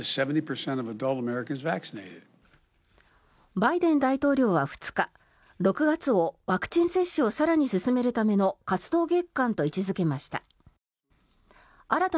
バイデン大統領は２日６月をワクチン接種を更に進めるための活動月間と位置付けました。